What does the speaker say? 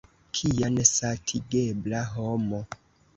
Kia nesatigebla homo!